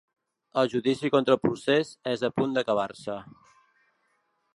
El judici contra el procés és a punt d’acabar-se.